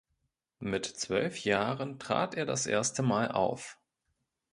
Mit zwölf Jahren trat er das erste Mal auf.